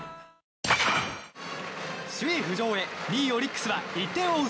首位浮上へ２位、オリックスは１点を追う